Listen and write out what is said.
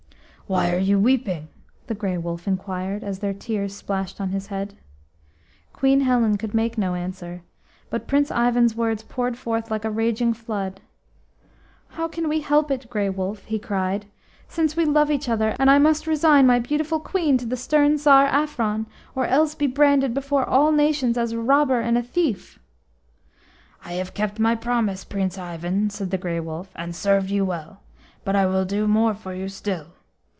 "Why are you weeping?" the Grey Wolf inquired, as their tears splashed on his head. Queen Helen could make no answer, but Prince Ivan's words poured forth like a raging flood. OW can we help it, Grey Wolf," he cried, "since we love each other, and I must resign my beautiful Queen to the stern Tsar Afron, or else be branded before all nations as a robber and a thief?" "I have kept my promise, Prince Ivan," said the Grey Wolf, "and served you well, but I will do more for you still.